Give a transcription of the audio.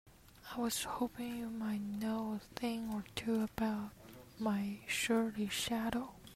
I was hoping you might know a thing or two about my surly shadow?